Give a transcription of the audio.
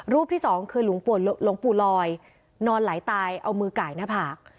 รูปที่๒คือลวงปู่ลอยนอนหลายตายเอามือไก่หน้าผาก